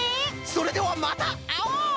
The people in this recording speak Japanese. それではまたあおう！